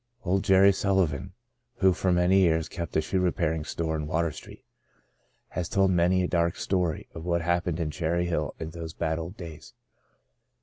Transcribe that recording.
Old Jerry Sullivan, who for many years kept a shoe repairing store in Water Street, has told many a dark story of what happened in Cherry Hill in those bad old days.